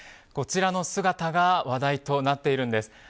こちらの姿が話題になっているんです。